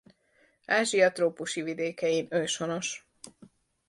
Ázsia trópusi vidékein őshonos.